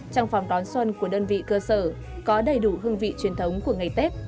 trong phòng đón xuân của đơn vị cơ sở có đầy đủ hương vị truyền thống của ngày tết